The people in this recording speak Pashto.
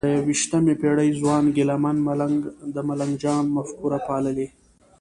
د یویشتمې پېړۍ ځوان ګیله من ملنګ د ملنګ جان مفکوره پاللې؟